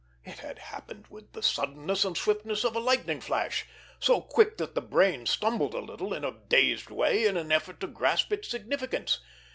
It had happened with the suddenness and swiftness of a lightning flash, so quick that the brain stumbled a little in a dazed way in an effort to grasp its significance.